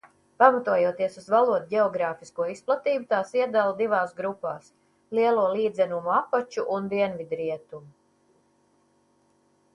Pamatojoties uz valodu ģeogrāfisko izplatību, tās iedala divās grupās: Lielo līdzenumu apaču un Dienvidrietumu.